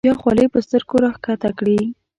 بیا خولۍ په سترګو راښکته کړي.